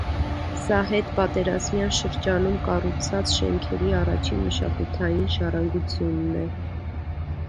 Սա հետպատերազմյան շրջանում կառուցած շենքերի առաջին մշակութային ժառանգությունն է։